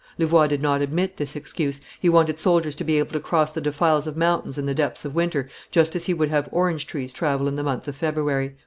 Louvois did not admit this excuse; he wanted soldiers to be able to cross the defiles of mountains in the depths of winter just as he would have orange trees travel in the month of February.